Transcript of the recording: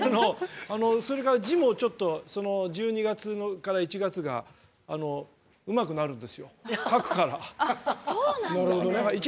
それが字もちょっと１２月から１月がうまくなるんですよ、書くから。